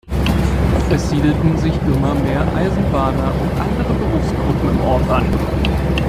Es siedelten sich immer mehr Eisenbahner und andere Berufsgruppen im Ort an.